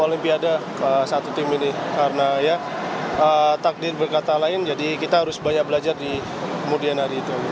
olimpiade satu tim ini karena ya takdir berkata lain jadi kita harus banyak belajar di kemudian hari itu